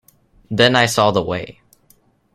Then I saw the way.